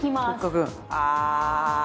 あ。